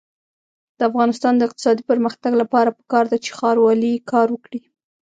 د افغانستان د اقتصادي پرمختګ لپاره پکار ده چې ښاروالي کار وکړي.